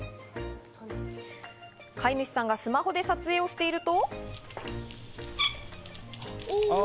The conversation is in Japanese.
飼い主さんがスマホで撮影していると。